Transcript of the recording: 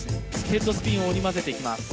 ヘッドスピンを織り交ぜていきます。